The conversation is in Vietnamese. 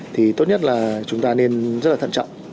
thì tốt nhất là chúng ta nên rất là thận trọng